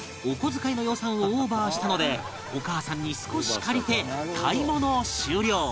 お小遣いの予算をオーバーしたのでお母さんに少し借りて買い物終了